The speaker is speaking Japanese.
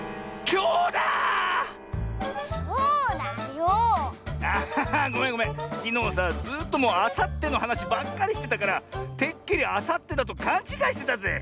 きのうさずっともうあさってのはなしばっかりしてたからてっきりあさってだとかんちがいしてたぜ。